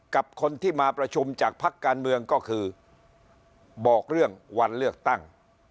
กับคนที่มาประชุมจากพักการเมืองก็คือบอกเรื่องวันเลือกตั้ง